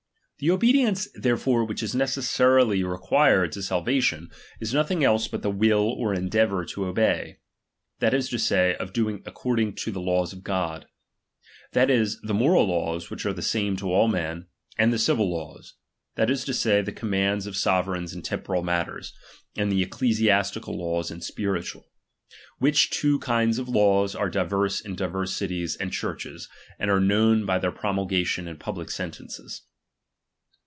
The obedience therefore which is necessaribj required to salva tion, is nothing else but the will or endeavour to obey ; that is to say, of doing according to the laws of God ; that is, the moral laws, which are the same to all men, and the civil laws; that is to say, the commands of sovereigns in temporal mat ters, and the ecclesiastical laws in spiritual. Which two kinds of laws are divers in divers cities and Churches, and are known by their promulgation and public sentences.